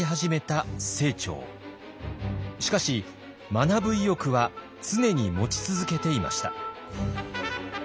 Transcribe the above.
しかし学ぶ意欲は常に持ち続けていました。